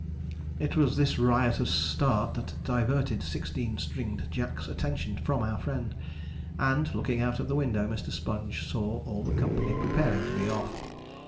It was this riotous start that diverted Sixteen string'd Jack's attention from our friend, and, looking out of the window, Mr. Sponge saw all the company preparing to be off.